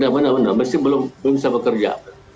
benar benar mercy belum bisa bekerja